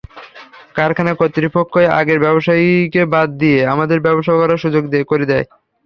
কারখানা কর্তৃপক্ষই আগের ব্যবসায়ীকে বাদ দিয়ে আমাদের ব্যবসা করার সুযোগ করে দেয়।